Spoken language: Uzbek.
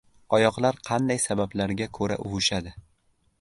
Oyoqlar qanday sabablarga ko‘ra uvishadi?